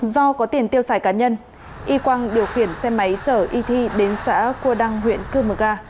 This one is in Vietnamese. do có tiền tiêu xài cá nhân y quang điều khiển xe máy chở y thi đến xã cua đăng huyện cư mờ ga